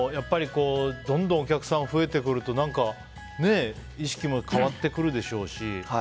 どんどんお客さんが増えてくると意識も変わってくるでしょうし。